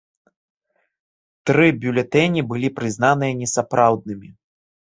Тры бюлетэні былі прызнаныя несапраўднымі.